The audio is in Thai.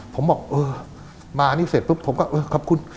ผมบอกเออมาอันนี้เสร็จปุ๊บผมก็เออขอบคุณ